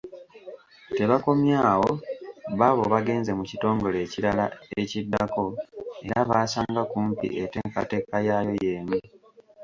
Tebakomye awo, baabo bagenze mu kitongole ekirala ekiddako era baasanga kumpi enteekateeka yaayo y’emu.